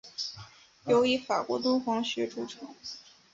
尤以法国敦煌学着称。